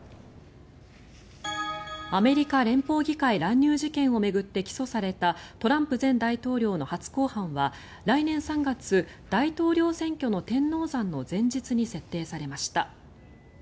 アメリカ連邦議会乱入事件を巡って起訴されたトランプ前大統領の初公判は来年３月、大統領選挙の天王山の前日に設定されました。